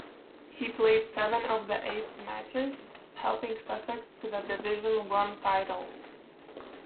He played seven of the eight matches, helping Sussex to the Division one title.